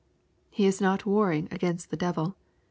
He is not warring against the devil.